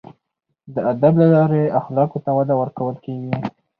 د ادب له لارې اخلاقو ته وده ورکول کیږي.